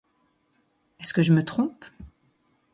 Est-ce que je me trompe